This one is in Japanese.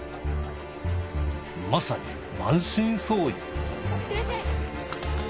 まさに満身創痍。